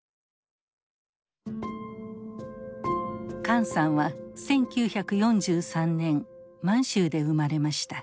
管さんは１９４３年満州で生まれました。